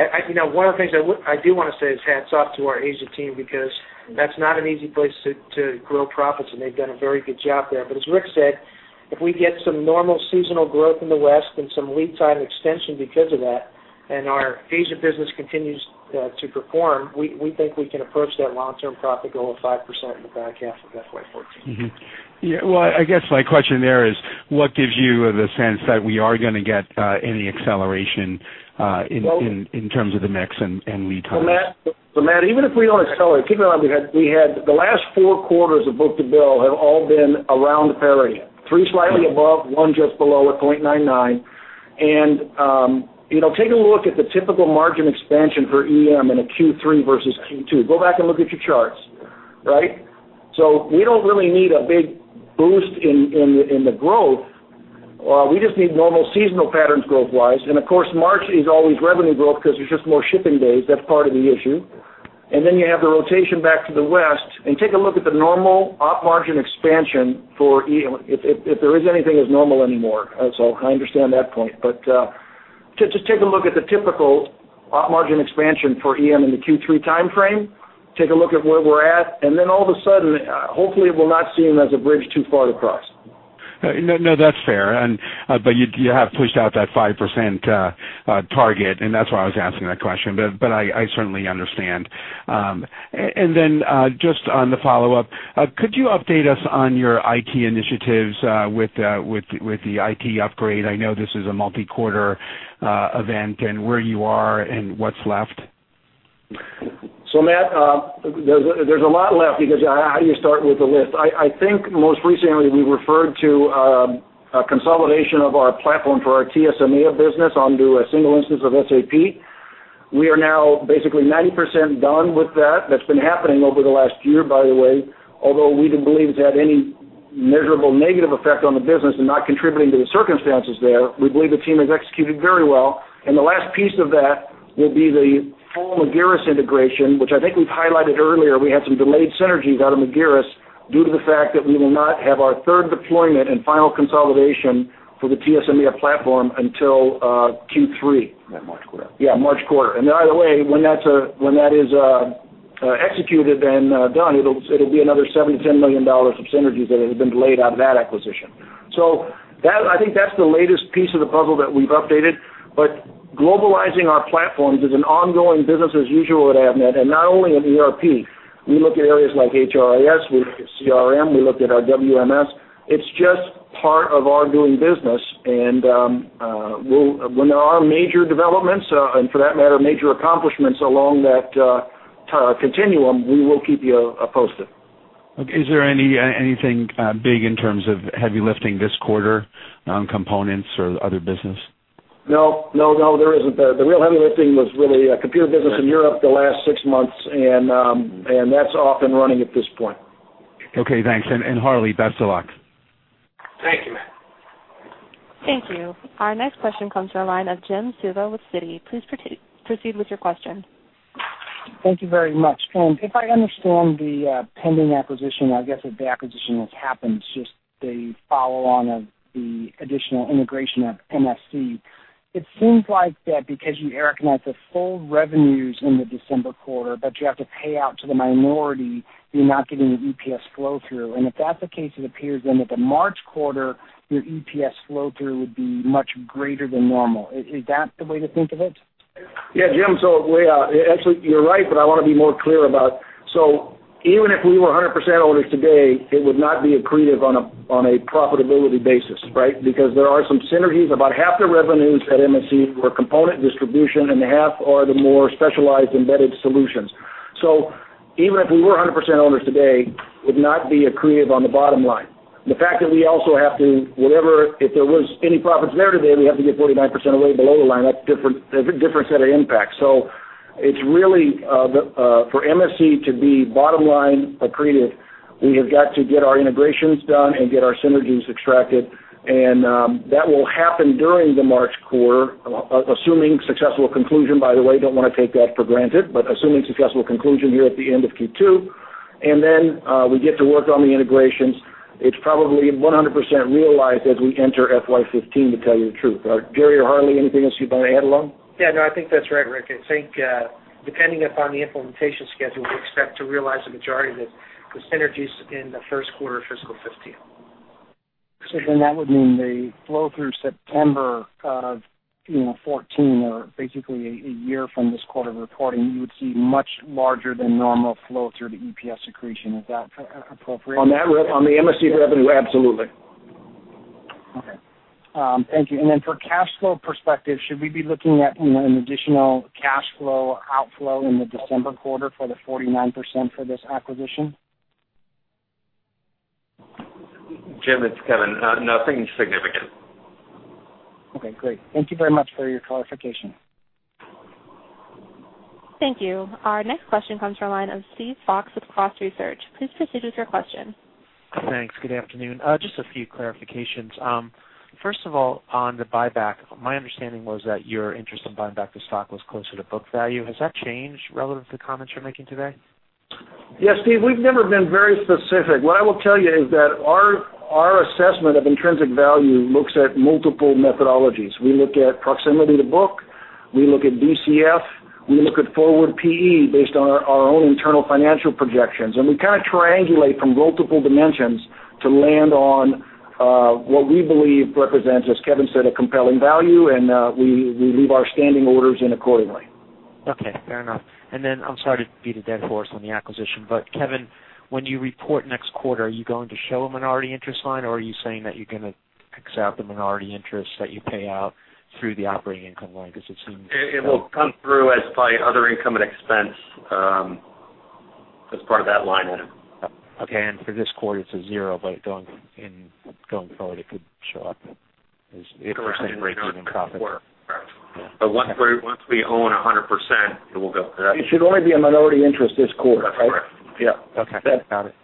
One of the things I do want to say is hats off to our Asia team because that's not an easy place to grow profits, and they've done a very good job there. But as Rick said, if we get some normal seasonal growth in the West and some lead time extension because of that, and our Asia business continues to perform, we think we can approach that long-term profit goal of 5% in the back half of FY14. Yeah. Well, I guess my question there is, what gives you the sense that we are going to get any acceleration in terms of the mix and lead time? Well, Matt, even if we don't accelerate, keep in mind we had the last four quarters of book-to-bill have all been around the parity, three slightly above, one just below at 0.99. Take a look at the typical margin expansion for EM in a Q3 versus Q2. Go back and look at your charts. Right? So we don't really need a big boost in the growth. We just need normal seasonal patterns growth-wise. And of course, March is always revenue growth because there's just more shipping days. That's part of the issue. And then you have the rotation back to the West. Take a look at the normal up margin expansion for EM if there is anything as normal anymore. So I understand that point. But just take a look at the typical up margin expansion for EM in the Q3 timeframe. Take a look at where we're at, and then all of a sudden, hopefully, we'll not see them as a bridge too far to cross. No, that's fair. But you have pushed out that 5% target, and that's why I was asking that question. But I certainly understand. And then just on the follow-up, could you update us on your IT initiatives with the IT upgrade? I know this is a multi-quarter event. And where you are and what's left? So Matt, there's a lot left because I already started with the list. I think most recently, we referred to a consolidation of our platform for our TS EMEA business onto a single instance of SAP. We are now basically 90% done with that. That's been happening over the last year, by the way. Although we didn't believe it had any measurable negative effect on the business and not contributing to the circumstances there, we believe the team has executed very well. And the last piece of that will be the full Magirus integration, which I think we've highlighted earlier. We had some delayed synergies out of Magirus due to the fact that we will not have our third deployment and final consolidation for the TS EMEA platform until Q3. That March quarter. Yeah. March quarter. And by the way, when that is executed and done, it'll be another $7 million-$10 million of synergies that have been delayed out of that acquisition. So I think that's the latest piece of the puzzle that we've updated. But globalizing our platforms is an ongoing business as usual at Avnet. And not only in ERP. We look at areas like HRIS. We look at CRM. We look at our WMS. It's just part of our doing business. When there are major developments, and for that matter, major accomplishments along that continuum, we will keep you posted. Is there anything big in terms of heavy lifting this quarter on components or other business? No. No, no. There isn't. The real heavy lifting was really computer business in Europe the last six months, and that's off and running at this point. Okay. Thanks. And Harley, best of luck. Thank you, Matt. Thank you. Our next question comes from a line of Jim Suva with Citi. Please proceed with your question. Thank you very much. And if I understand the pending acquisition, I guess the acquisition has happened since the follow-on of the additional integration of MSC. It seems like that because you recognize the full revenues in the December quarter, but you have to pay out to the minority, you're not getting EPS flow-through. And if that's the case, it appears then that the March quarter, your EPS flow-through would be much greater than normal. Is that the way to think of it? Yeah. Jim, so actually, you're right, but I want to be more clear about so even if we were 100% owners today, it would not be accretive on a profitability basis. Right? Because there are some synergies. About half the revenues at MSC were component distribution, and half are the more specialized embedded solutions. So even if we were 100% owners today, it would not be accretive on the bottom line. The fact that we also have to, if there was any profits there today, we have to get 49% away below the line. That's a different set of impacts. So it's really for MSC to be bottom-line accretive, we have got to get our integrations done and get our synergies extracted. And that will happen during the March quarter, assuming successful conclusion. By the way, don't want to take that for granted, but assuming successful conclusion here at the end of Q2. And then we get to work on the integrations. It's probably 100% realized as we enter FY15, to tell you the truth. Gerry or Harley, anything else you'd like to add along? Yeah. No, I think that's right, Rick. I think depending upon the implementation schedule, we expect to realize the majority of the synergies in the first quarter of fiscal 15. So then that would mean the flow-through September of 2014, or basically a year from this quarter reporting, you would see much larger than normal flow-through to EPS accretion. Is that appropriate? On the MSC revenue, absolutely. Okay. Thank you. And then for cash flow perspective, should we be looking at an additional cash flow outflow in the December quarter for the 49% for this acquisition? Jim, it's Kevin. Nothing significant. Okay. Great. Thank you very much for your clarification. Thank you. Our next question comes from a line of Steve Fox with Cross Research. Please proceed with your question. Thanks. Good afternoon. Just a few clarifications. First of all, on the buyback, my understanding was that your interest in buying back the stock was closer to book value. Has that changed relative to the comments you're making today? Yes. Steve, we've never been very specific. What I will tell you is that our assessment of intrinsic value looks at multiple methodologies. We look at proximity to book. We look at DCF. We look at forward PE based on our own internal financial projections. And we kind of triangulate from multiple dimensions to land on what we believe represents, as Kevin said, a compelling value, and we leave our standing orders in accordingly. Okay. Fair enough. And then I'm sorry to be the dead horse on the acquisition, but Kevin, when you report next quarter, are you going to show a minority interest line, or are you saying that you're going to accept a minority interest that you pay out through the operating income line because it seems? It will come through as by other income and expense as part of that line item. Okay. And for this quarter, it's a zero, but going forward, it could show up as percent break-even profit. Correct. Correct. Correct. But once we own 100%, it will go to that. It should only be a minority interest this quarter. Right? Correct. Correct. Yeah. Okay. Got it.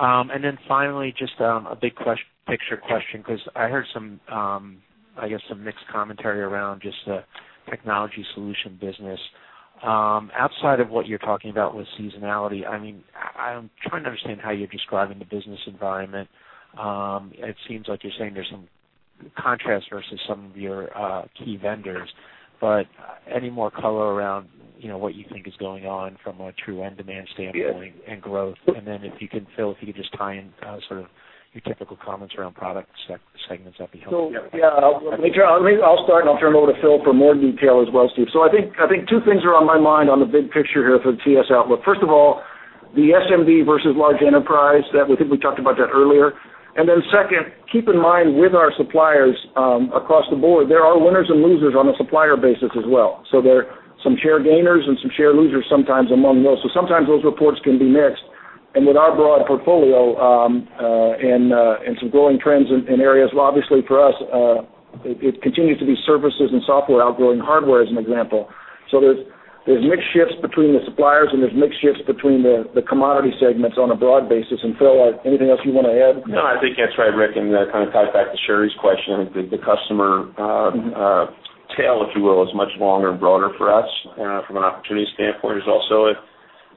And then finally, just a big picture question because I heard some, I guess, some mixed commentary around just the technology solution business. Outside of what you're talking about with seasonality, I mean, I'm trying to understand how you're describing the business environment. It seems like you're saying there's some contrast versus some of your key vendors. But any more color around what you think is going on from a true end demand standpoint and growth? And then if you can fill, if you could just tie in sort of your typical comments around product segments, that'd be helpful. Yeah. I'll start, and I'll turn over to Phil for more detail as well, Steve. So I think two things are on my mind on the big picture here for the TS outlook. First of all, the SMB versus large enterprise, we talked about that earlier. And then second, keep in mind with our suppliers across the board, there are winners and losers on a supplier basis as well. So there are some share gainers and some share losers sometimes among those. So sometimes those reports can be mixed. And with our broad portfolio and some growing trends in areas, obviously for us, it continues to be services and software outgrowing hardware as an example. So there's mixed shifts between the suppliers, and there's mixed shifts between the commodity segments on a broad basis. And Phil, anything else you want to add? No, I think that's right, Rick, and kind of ties back to Sherri's question. The customer tail, if you will, is much longer and broader for us from an opportunity standpoint. There's also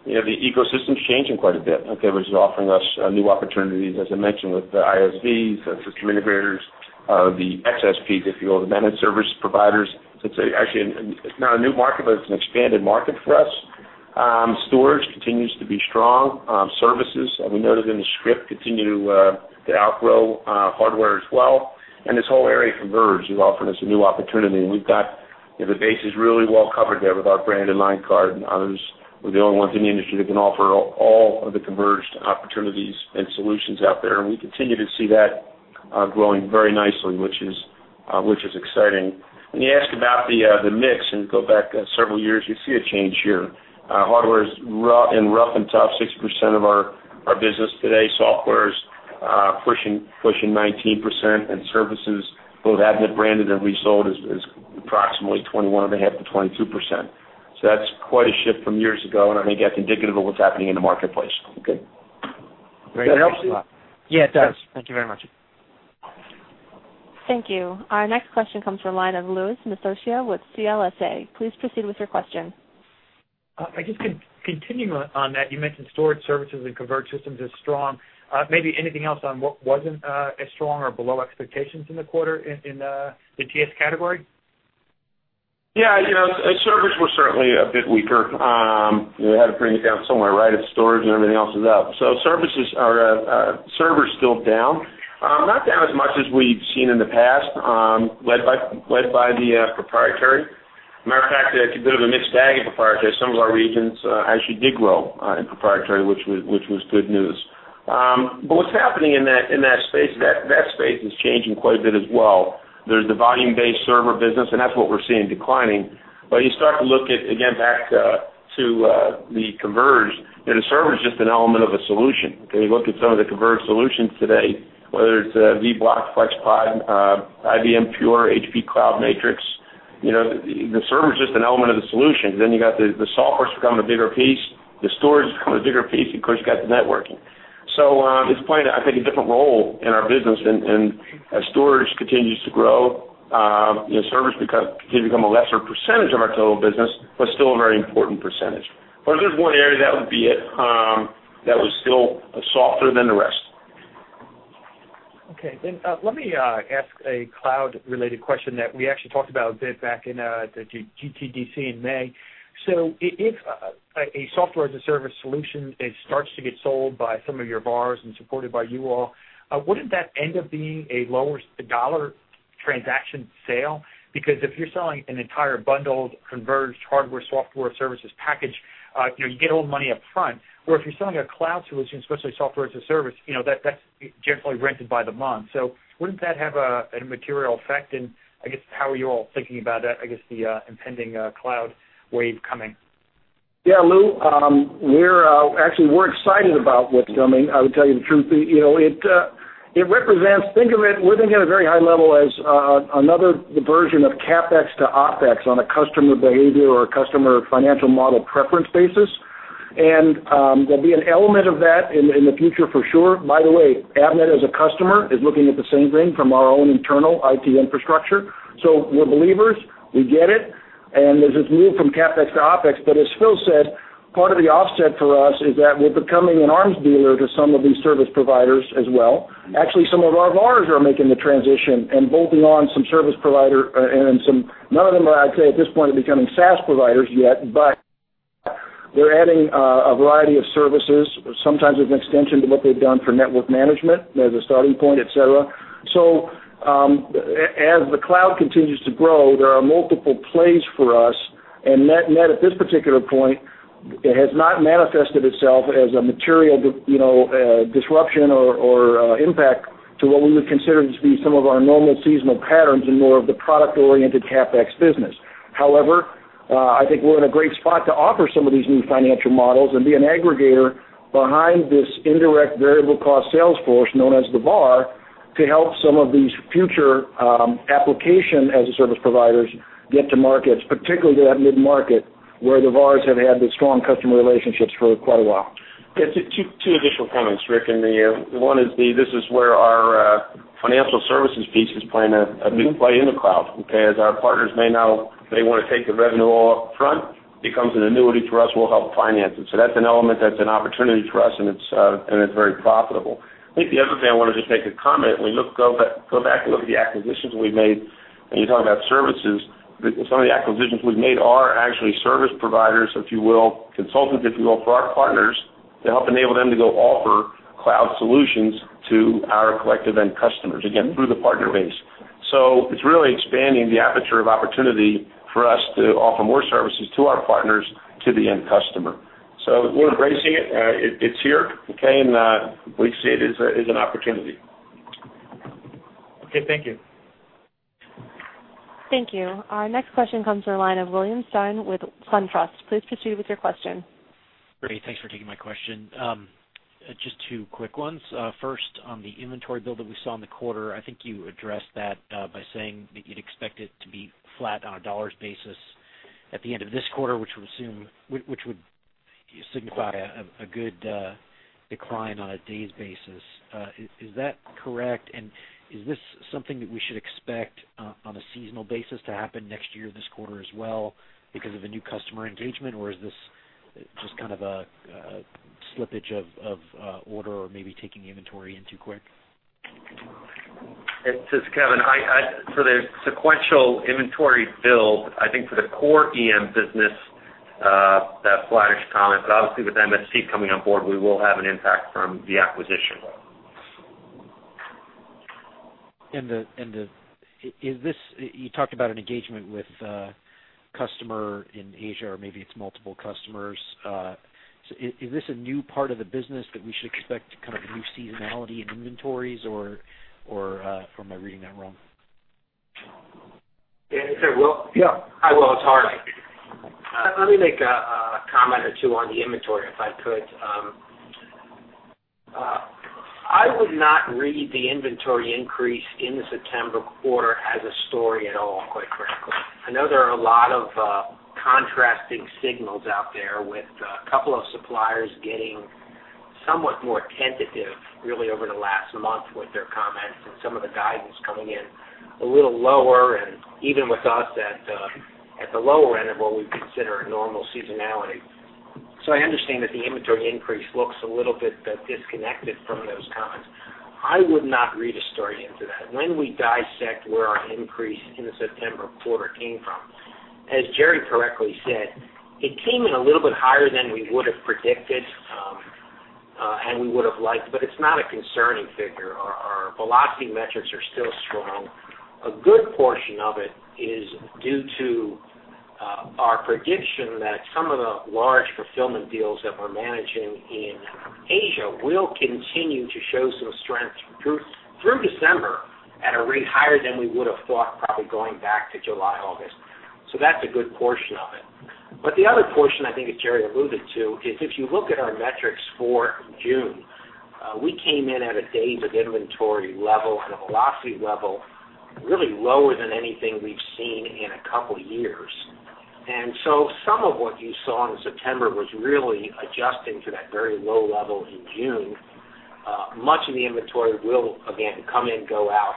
the ecosystem's changing quite a bit. Okay. Which is offering us new opportunities, as I mentioned, with the ISVs, system integrators, the XSPs, if you will, the managed service providers. It's actually not a new market, but it's an expanded market for us. Storage continues to be strong. Services, we noted in the script, continue to outgrow hardware as well. And this whole area of converged solutions is offering us a new opportunity. And we've got the bases really well covered there with our branded line card and others. We're the only ones in the industry that can offer all of the converged opportunities and solutions out there. And we continue to see that growing very nicely, which is exciting. When you ask about the mix and go back several years, you see a change here. Hardware is roughly 60% of our business today. Software's pushing 19%. Services, both Avnet-branded and resold, is approximately 21.5%-22%. So that's quite a shift from years ago, and I think that's indicative of what's happening in the marketplace. Okay. That helps a lot. Yeah, it does. Thank you very much. Thank you. Our next question comes from a line of Louis Miscioscia with CLSA. Please proceed with your question. I just could continue on that. You mentioned storage, services, and converged systems is strong. Maybe anything else on what wasn't as strong or below expectations in the quarter in the TS category? Yeah. Servers was certainly a bit weaker. They had to bring it down somewhere. Right? If storage and everything else is up. So servers are still down. Not down as much as we've seen in the past, led by the proprietary. Matter of fact, it's a bit of a mixed bag of proprietary. Some of our regions actually did grow in proprietary, which was good news. But what's happening in that space, that space is changing quite a bit as well. There's the volume-based server business, and that's what we're seeing declining. But you start to look at, again, back to the converged, the server's just an element of a solution. Okay. You look at some of the converged solutions today, whether it's Vblock, FlexPod, IBM Pure, HP Cloud Matrix. The server's just an element of the solution. Then you got the software's becoming a bigger piece. The storage's becoming a bigger piece. Of course, you got the networking. So it's playing, I think, a different role in our business. And as storage continues to grow, servers continue to become a lesser percentage of our total business, but still a very important percentage. But if there's one area, that would be it. That was still softer than the rest. Okay. Then let me ask a cloud-related question that we actually talked about a bit back in the GTDC in May. So if a software-as-a-service solution starts to get sold by some of your VARs and supported by you all, wouldn't that end up being a lower dollar transaction sale? Because if you're selling an entire bundled converged hardware-software services package, you get all the money upfront. Or if you're selling a cloud solution, especially software-as-a-service, that's generally rented by the month. So wouldn't that have a material effect in, I guess, how are you all thinking about, I guess, the impending cloud wave coming? Yeah. Lou, actually, we're excited about what's coming. I would tell you the truth. It represents, think of it, we're thinking at a very high level as another version of CapEx to OpEx on a customer behavior or a customer financial model preference basis. And there'll be an element of that in the future for sure. By the way, Avnet as a customer is looking at the same thing from our own internal IT infrastructure. So we're believers. We get it. And there's this move from CapEx to OpEx. But as Phil said, part of the offset for us is that we're becoming an arms dealer to some of these service providers as well. Actually, some of our VARs are making the transition and bolting on some service providers. None of them are, I'd say, at this point, becoming SaaS providers yet, but they're adding a variety of services, sometimes with an extension to what they've done for network management as a starting point, etc. So as the cloud continues to grow, there are multiple plays for us. And net, at this particular point, has not manifested itself as a material disruption or impact to what we would consider to be some of our normal seasonal patterns and more of the product-oriented CapEx business. However, I think we're in a great spot to offer some of these new financial models and be an aggregator behind this indirect variable cost sales force known as the VAR to help some of these future application-as-a-service providers get to markets, particularly that mid-market where the VARs have had the strong customer relationships for quite a while. Two additional comments, Rick. One is this is where our financial services piece is playing a big play in the cloud. Okay. As our partners may know, they want to take the revenue all upfront. It becomes an annuity for us. We'll help finance it. So that's an element that's an opportunity for us, and it's very profitable. I think the other thing I want to just make a comment, and we go back and look at the acquisitions we've made. And you're talking about services. Some of the acquisitions we've made are actually service providers, if you will, consultants, if you will, for our partners to help enable them to go offer cloud solutions to our collective end customers, again, through the partner base. So it's really expanding the aperture of opportunity for us to offer more services to our partners to the end customer. So we're embracing it. It's here. Okay. And we see it as an opportunity. Okay. Thank you. Thank you. Our next question comes from a line of William Stein with SunTrust. Please proceed with your question. Great. Thanks for taking my question. Just two quick ones. First, on the inventory build that we saw in the quarter, I think you addressed that by saying that you'd expect it to be flat on a dollars basis at the end of this quarter, which would signify a good decline on a day's basis. Is that correct? And is this something that we should expect on a seasonal basis to happen next year this quarter as well because of a new customer engagement, or is this just kind of a slippage of order or maybe taking inventory in too quick? This is Kevin. For the sequential inventory build, I think for the core EM business, that's a flat-ish comment. But obviously, with MSC coming on board, we will have an impact from the acquisition. And you talked about an engagement with a customer in Asia, or maybe it's multiple customers. Is this a new part of the business that we should expect kind of a new seasonality in inventories, or am I reading that wrong? Yeah. Well, yeah. Hi, Will. It's Harley. Let me make a comment or two on the inventory if I could. I would not read the inventory increase in the September quarter as a story at all, quite frankly. I know there are a lot of contrasting signals out there with a couple of suppliers getting somewhat more tentative, really, over the last month with their comments and some of the guidance coming in a little lower. And even with us at the lower end of what we consider a normal seasonality. So I understand that the inventory increase looks a little bit disconnected from those comments. I would not read a story into that. When we dissect where our increase in the September quarter came from, as Gerry correctly said, it came in a little bit higher than we would have predicted and we would have liked, but it's not a concerning figure. Our velocity metrics are still strong. A good portion of it is due to our prediction that some of the large fulfillment deals that we're managing in Asia will continue to show some strength through December at a rate higher than we would have thought, probably going back to July, August. So that's a good portion of it. But the other portion, I think, as Gerry alluded to, is if you look at our metrics for June, we came in at a days of inventory level and a velocity level really lower than anything we've seen in a couple of years. And so some of what you saw in September was really adjusting to that very low level in June. Much of the inventory will, again, come in, go out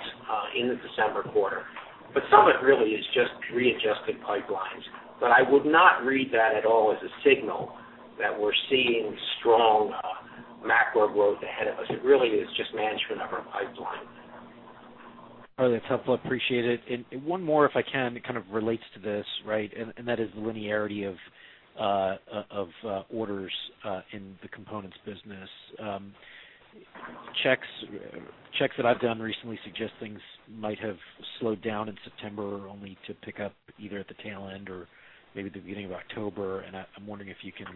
in the December quarter. But some of it really is just readjusted pipelines. But I would not read that at all as a signal that we're seeing strong macro growth ahead of us. It really is just management of our pipeline. Really helpful. Appreciate it. And one more, if I can, that kind of relates to this, right? And that is the linearity of orders in the components business. Checks that I've done recently suggest things might have slowed down in September only to pick up either at the tail end or maybe the beginning of October. I'm wondering if you can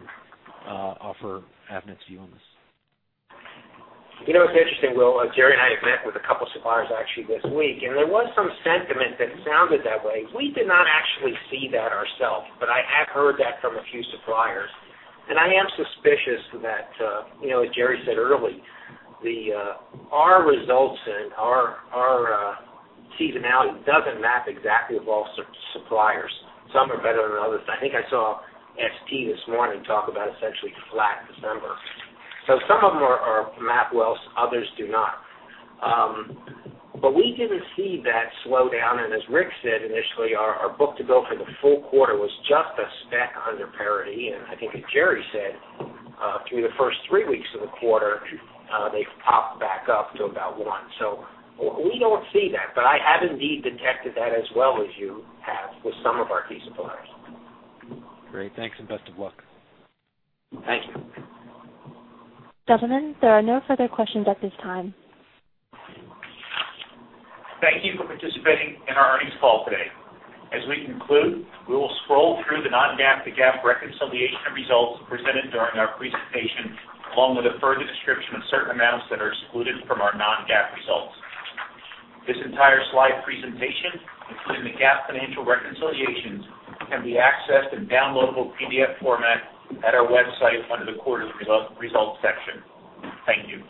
offer Avnet's view on this. It's interesting, Will. Gerry and I have met with a couple of suppliers actually this week, and there was some sentiment that sounded that way. We did not actually see that ourselves, but I have heard that from a few suppliers. I am suspicious that, as Gerry said earlier, our results and our seasonality doesn't map exactly with all suppliers. Some are better than others. I think I saw ST this morning talk about essentially flat December. Some of them map well. Others do not. We didn't see that slow down. As Rick said initially, our book-to-bill for the full quarter was just a speck under parity. I think as Gerry said, through the first three weeks of the quarter, they've popped back up to about one. We don't see that. I have indeed detected that as well as you have with some of our key suppliers. Great. Thanks and best of luck. Thank you. Gentlemen, there are no further questions at this time. Thank you for participating in our earnings call today. As we conclude, we will scroll through the non-GAAP to GAAP reconciliation results presented during our presentation, along with a further description of certain amounts that are excluded from our non-GAAP results. This entire slide presentation, including the GAAP financial reconciliations, can be accessed in downloadable PDF format at our website under the quarterly results section. Thank you.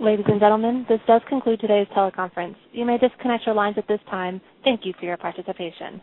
Ladies and gentlemen, this does conclude today's teleconference. You may disconnect your lines at this time. Thank you for your participation.